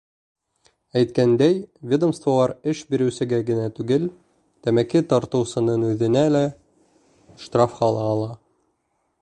Әйткәндәй, ведомстволар эш биреүсегә генә түгел, тәмәке тартыусының үҙенә лә штраф һала ала.